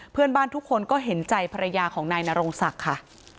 เพื่อนบ้านทุกคนก็เห็นใจภรรยาของนายนรงศักดิ์ค่ะ